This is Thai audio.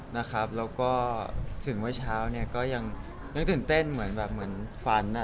แล้วก็ถึงเมื่อเช้าเนี่ยก็ยังนึกตื่นเต้นเหมือนแบบเหมือนฝันอ่ะ